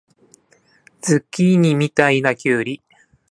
ズッキーニみたいなきゅうり